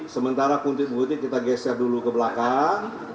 sementara kuntik butik kita geser dulu ke belakang